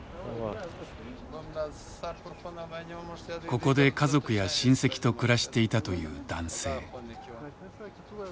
ここで家族や親戚と暮らしていたという男性。